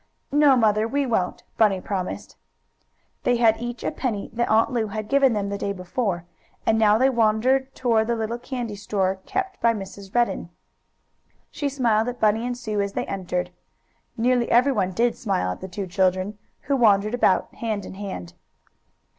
"No, Mother, we won't!" Bunny promised. They had each a penny that Aunt Lu had given them the day before, and now they wandered toward the little candy store kept by Mrs. Redden. She smiled at Bunny and Sue as they entered. Nearly every one did smile at the two children, who wandered about, hand in hand.